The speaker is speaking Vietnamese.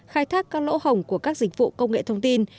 khai thác các lỗ hồng của các dịch vụ công nghệ thông tin